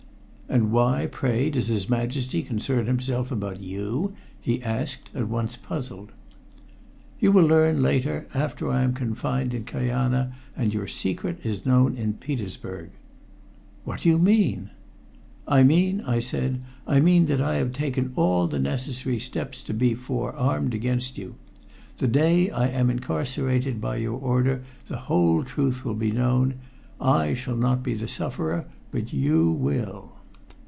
"And why, pray, does his Majesty concern himself about you?" he asked, at once puzzled. "You will learn later, after I am confined in Kajana and your secret is known in Petersburg." "What do you mean?" "I mean," I said, "I mean that I have taken all the necessary steps to be forearmed against you. The day I am incarcerated by your order, the whole truth will be known. I shall not be the sufferer but you will."